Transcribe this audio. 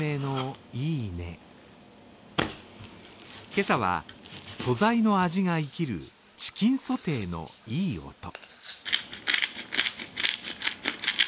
今朝は素材の味が生きるチキンソテーのいい音。